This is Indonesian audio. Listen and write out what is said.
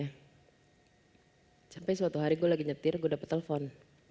sampai suatu hari gue lagi nyetir gue dapet telpon